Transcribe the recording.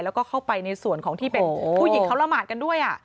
แล้วก็เข้าไปในส่วนของที่เป็นผู้หญิงเขาละหมาดกันด้วย